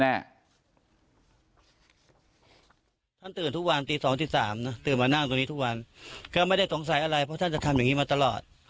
ท่านตื่นทุกวันตี๒ตี๓นะตื่นมานั่งตรงนี้ทุกวันก็ไม่ได้สงสัยอะไรเพราะท่านจะทำอย่างนี้มาตลอด